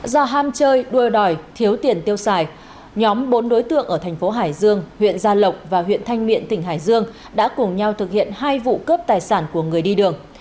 do ham chơi đuôi đòi thiếu tiền tiêu xài nhóm bốn đối tượng ở thành phố hải dương huyện gia lộc và huyện thanh miện tỉnh hải dương đã cùng nhau thực hiện hai vụ cướp tài sản của người đi đường